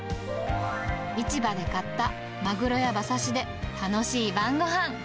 市場で買ったマグロや馬刺しで楽しい晩ごはん。